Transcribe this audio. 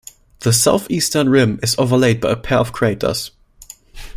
The southeastern rim is overlaid by a pair of craters.